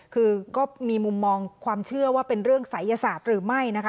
คือก็มีมุมมองความเชื่อว่าเป็นเรื่องศัยศาสตร์หรือไม่นะคะ